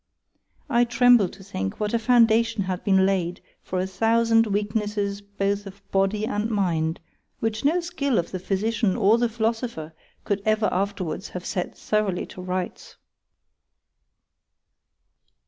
—I tremble to think what a foundation had been laid for a thousand weaknesses both of body and mind, which no skill of the physician or the philosopher could ever afterwards have set thoroughly to rights.